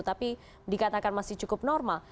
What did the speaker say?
tapi dikatakan masih cukup normal